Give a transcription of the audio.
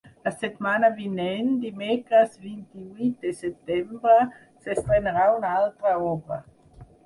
La setmana vinent, dimecres vint-i-vuit de setembre, s’estrenarà una altra obra.